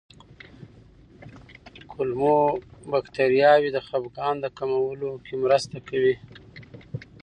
کولمو بکتریاوې د خپګان د کمولو کې مرسته کوي.